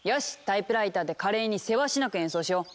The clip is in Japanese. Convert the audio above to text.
タイプライターで華麗にせわしなく演奏しよう！